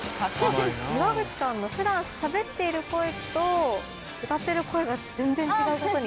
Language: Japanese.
岩口さんの普段しゃべっている声と歌ってる声が全然違う事に。